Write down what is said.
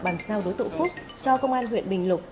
bàn sao đối tượng phúc cho công an huyện bình lục